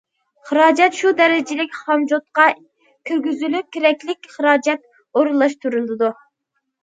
خىراجەت شۇ دەرىجىلىك خامچوتقا كىرگۈزۈلۈپ، كېرەكلىك خىراجەت ئورۇنلاشتۇرۇلىدۇ.